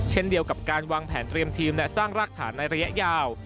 เช่นเดียวกับการวางแผนเตรียมทีมและสร้างรากฐานในระยะยาว